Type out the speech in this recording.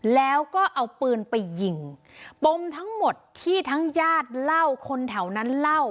แล้วก็เอาปืนไปยิงปมทั้งหมดที่ทั้งญาติเล่าคนแถวนั้นเล่า